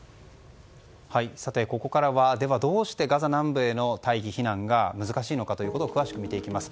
ここからは、どうしてガザ南部への避難が難しいのかを詳しく見ていきます。